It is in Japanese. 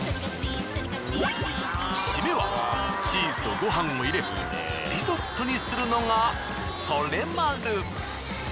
シメはチーズとご飯を入れリゾットにするのがソレマル。